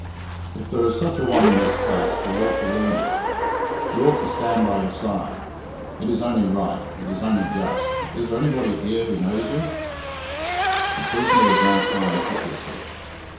"If there is such a one in this case, we ought to learn it. He ought to stand by your side. It is only right; it is only just. Is there anybody here who knows you?" The prisoner was now crying piteously.